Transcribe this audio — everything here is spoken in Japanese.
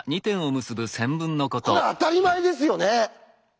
これあたりまえですよね？